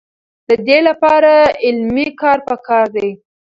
د دې لپاره علمي کار پکار دی.